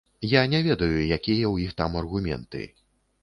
Я не ведаю, якія ў іх там аргументы.